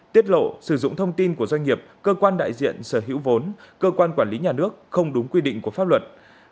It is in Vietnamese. tiết lộ sử dụng thông tin của doanh nghiệp cơ quan đại diện sở hữu vốn cơ quan quản lý nhà nước không đúng quy định của pháp luật